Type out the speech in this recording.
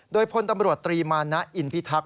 โดยพลตำรวจตรีมานะอินพิทักษ